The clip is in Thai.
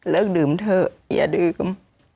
ดื่มเถอะอย่าดื่ม